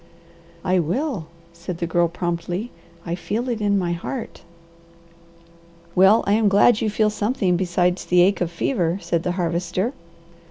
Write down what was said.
"I will," said the Girl promptly. "I feel it in my heart." "Well I am glad you feel something besides the ache of fever," said the Harvester.